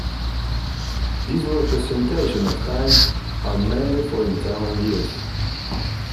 These representations of time are mainly for internal use.